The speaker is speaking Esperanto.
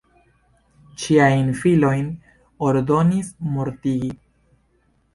Ŝiajn filojn ordonis mortigi.